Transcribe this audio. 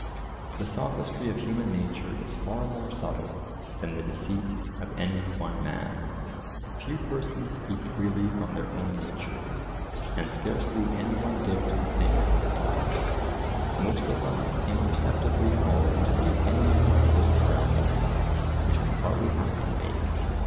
The sophistry of human nature is far more subtle than the deceit of any one man. Few persons speak freely from their own natures, and scarcely any one dares to think for himself: most of us imperceptibly fall into the opinions of those around us, which we partly help to make.